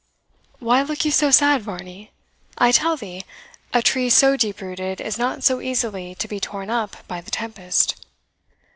Why look you so sad, Varney? I tell thee, a tree so deep rooted is not so easily to be torn up by the tempest."